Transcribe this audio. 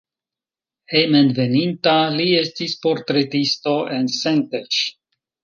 Hejmenveninta li estis portretisto en Szentes.